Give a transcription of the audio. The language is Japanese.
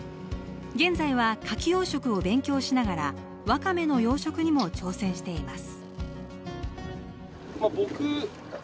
現在はカキ養殖を勉強しながら、ワカメの養殖にも挑戦しています。